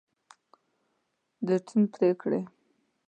د ټیم پرېکړې